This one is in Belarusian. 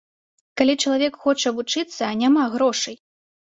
Калі чалавек хоча вучыцца, а няма грошай?